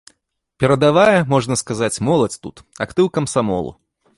Перадавая, можна сказаць, моладзь тут, актыў камсамолу.